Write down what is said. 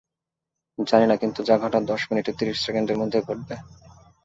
জানি না, কিন্তু যা ঘটার দশ মিনিট ত্রিশ সেকেন্ডের মধ্যেই ঘটবে।